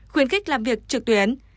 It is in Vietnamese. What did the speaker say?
khuyến khích làm việc trực tuyến